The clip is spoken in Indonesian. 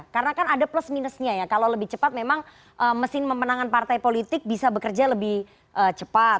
karena kan ada plus minusnya ya kalau lebih cepat memang mesin memenangkan partai politik bisa bekerja lebih cepat